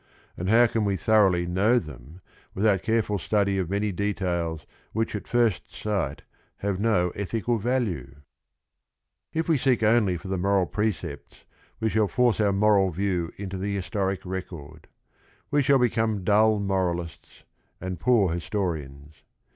and how can we thoroughly know them without careful study of many de tails which at first sight have no ethical value ? If we seek only for the moral precepts we shall force our moral view into the historic record; we shall become dull moralists, and poor histo rians.